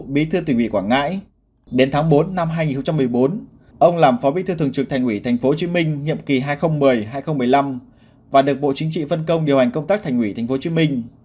đến tháng bốn năm hai nghìn một mươi bốn ông làm phó bí thư thường trực thành ủy tp hcm nhiệm kỳ hai nghìn một mươi hai nghìn một mươi năm và được bộ chính trị phân công điều hành công tác thành ủy tp hcm